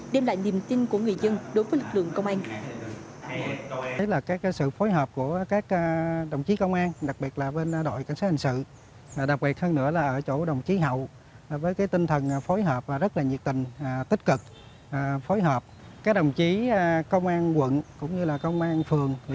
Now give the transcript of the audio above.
đem lại niềm tin của người dân đối với lực lượng công an